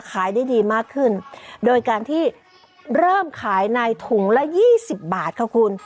ขายได้ดีมากขึ้นโดยการที่เริ่มขายในถุงละยี่สิบบาทค่ะคุณ